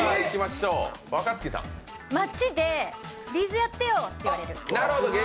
街で「Ｂ’ｚやってよ」と言われる。